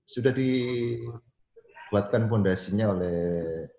sudah dibuatkan fondasinya oleh